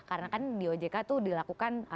karena kan di ojk itu dilakukan